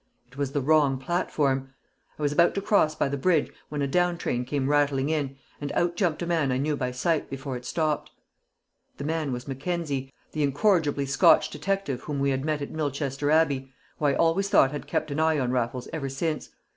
It was the wrong platform. I was about to cross by the bridge when a down train came rattling in, and out jumped a man I knew by sight before it stopped. The man was Mackenzie, the incorrigibly Scotch detective whom we had met at Milchester Abbey, who I always thought had kept an eye on Raffles ever since.